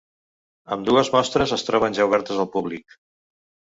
Ambdues mostres es troben ja obertes al públic.